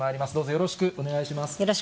よろしくお願いします。